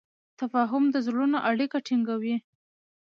تفاهم د زړونو اړیکه ټینګه کوي.